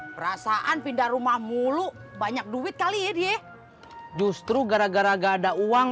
perasaan pindah rumah mulu banyak duit kali ini ya justru gara gara gak ada uang